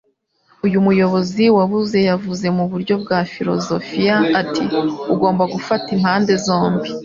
Uyu muyobozi wabuze yavuze mu buryo bwa filozofiya, ati: Ugomba gufata impande zombi.